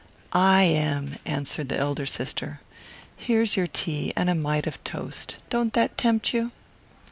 "I am," answered the elder sister. "Here's your tea, and a mite of toast. Don't that tempt you?"